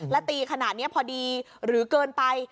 แล้วตีขนาดนี้พอดีหรือเกินไป